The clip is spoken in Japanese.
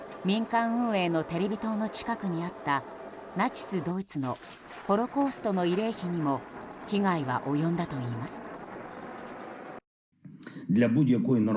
民間運営のテレビ塔の近くにあったナチス・ドイツのホロコーストの慰霊碑にも被害は及んだといいます。